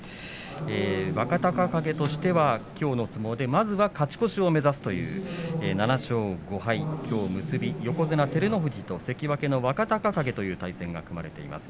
若隆景としてはきょうの相撲でまずは勝ち越しを目指す７勝５敗きょう結び横綱照ノ富士と関脇の若隆景の対戦が組まれています。